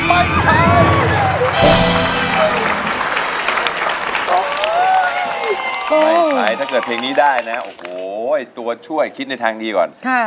ไม่ใช่ถ้าเกิดเพลงนี้ได้นะโอ้โหตัวช่วยคิดในทางดีก่อน